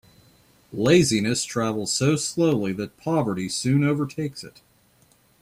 Laziness travels so slowly that poverty soon overtakes it.